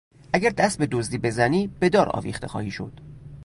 اگر دست به دزدی بزنی به دار آویخته خواهی شد.